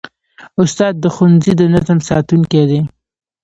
استاد د ښوونځي د نظم ساتونکی دی.